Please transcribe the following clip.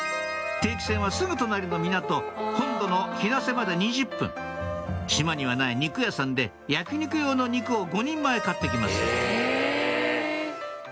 定期船はすぐ隣の港本土の日生まで２０分島にはない肉屋さんで焼き肉用の肉を５人前買って来ます